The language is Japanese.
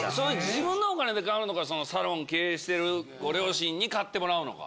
自分のお金で買えるのかサロン経営してるご両親に買ってもらうのか。